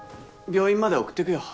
病院まで送ってくよ